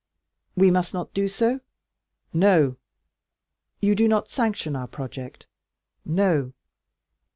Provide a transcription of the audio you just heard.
"We must not do so?" "No." "You do not sanction our project?" "No."